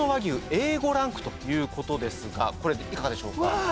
Ａ５ランクということですがこれいかがでしょうか？